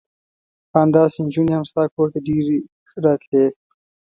ان داسې نجونې هم ستا کور ته ډېرې راتلې.